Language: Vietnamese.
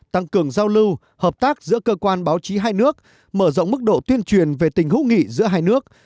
tăng cường giao lưu hợp tác giữa cơ quan báo chí hai nước mở rộng mức độ tuyên truyền về tình hữu nghị giữa hai nước